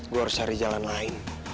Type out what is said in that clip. gue harus cari jalan lain